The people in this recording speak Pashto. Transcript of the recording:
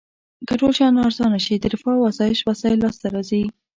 که ټول شیان ارزانه شي د رفاه او اسایش وسایل لاس ته راځي.